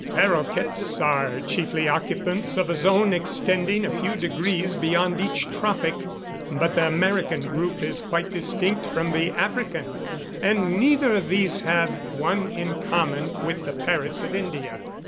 Parroquets are chiefly occupants of a zone extending a few degrees beyond each tropic, but the American group is quite distinct from the African, and neither of these have one in common with the parrots of India.